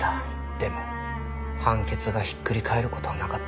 でも判決がひっくり返る事はなかった。